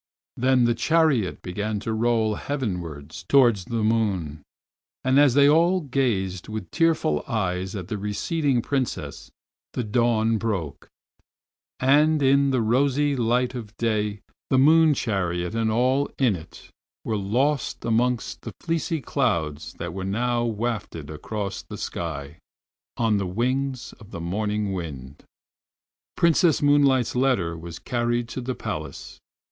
Then the chariot began to roll heavenwards towards the moon, and as they all gazed with tearful eyes at the receding Princess, the dawn broke, and in the rosy light of day the moon chariot and all in it were lost amongst the fleecy clouds that were now wafted across the sky on the wings of the morning wind. Princess Moonlight's letter was carried to the Palace.